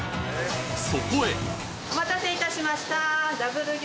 そこへお待たせいたしました。